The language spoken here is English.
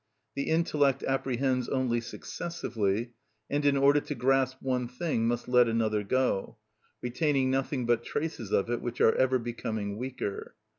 The intellect apprehends only successively, and in order to grasp one thing must let another go, retaining nothing but traces of it, which are ever becoming weaker.